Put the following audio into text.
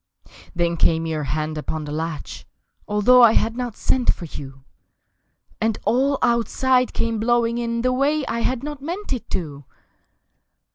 Then came your hand upon the latch (Although I had not sent for you) And all Outside came blowing in The way I had not meant it to!